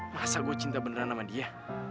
masa gue cinta beneran sama dia